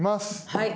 はい。